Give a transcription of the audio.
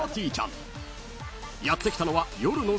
［やって来たのは］